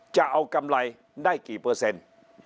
จะเอากำไรได้กี่เปอร์เซ็นต์